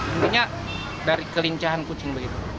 intinya dari kelincahan kucing